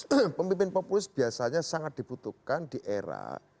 hmm pemimpin populis biasanya sangat dibutuhkan di era